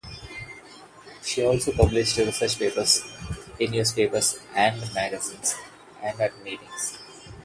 She also has published research papers, in newspapers and magazines and at meetings.